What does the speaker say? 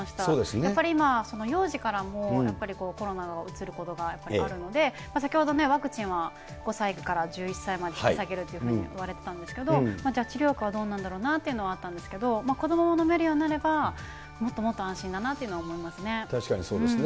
やっぱり今、幼児からもやっぱりコロナがうつることがあるので、先ほど、ワクチンは５歳から１１歳まで引き下げるというふうに言われてたんですけれども、じゃあ治療薬はどうなんだろうなというのはあったんですけど、子どもが飲めるようになれば、最もっと安心だなと確かにそうですね。